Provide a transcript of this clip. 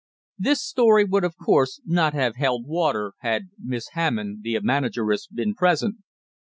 This story would, of course, not have held water had Miss Hammond, the manageress, been present.